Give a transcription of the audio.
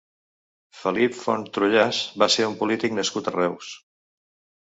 Felip Font Trullàs va ser un polític nascut a Reus.